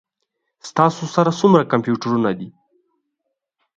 ستاسو سره څومره کمپیوټرونه دي؟